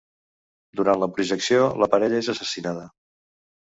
Durant la projecció, la parella és assassinada.